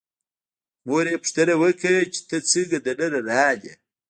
مور یې پوښتنه وکړه چې ته څنګه دننه راغلې.